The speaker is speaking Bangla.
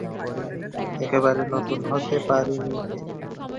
একেবারে নতুন হতে পারি নে কি?